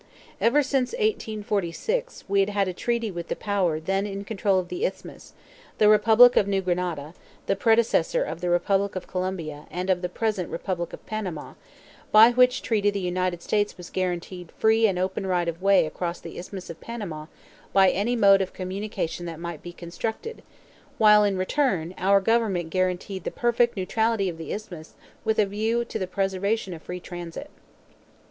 Ever since 1846 we had had a treaty with the power then in control of the Isthmus, the Republic of New Granada, the predecessor of the Republic of Colombia and of the present Republic of Panama, by which treaty the United States was guaranteed free and open right of way across the Isthmus of Panama by any mode of communication that might be constructed, while in return our Government guaranteed the perfect neutrality of the Isthmus with a view to the preservation of free transit.